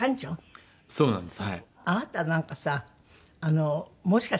いやそうなんです。